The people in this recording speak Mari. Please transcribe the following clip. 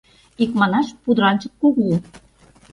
Икманаш, пудыранчык кугу.